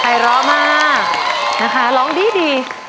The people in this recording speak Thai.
ไภร้อมานะคะร้องดี